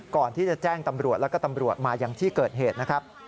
ก่อนที่จะแจ้งตำรวจแล้วก็ตำรวจมาอย่างที่เกิดเหตุนะครับ